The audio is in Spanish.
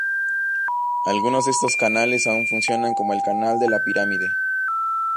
Algunos de estos canales aún funcionan, como el canal de la Pirámide.